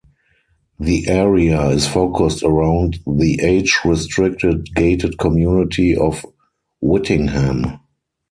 The area is focused around the age-restricted gated community of Whittingham.